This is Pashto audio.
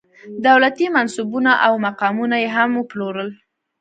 دولتي منصبونه او مقامونه یې هم وپلورل.